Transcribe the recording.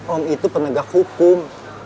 om itu penegak hukum